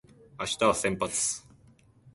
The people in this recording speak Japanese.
明日は先発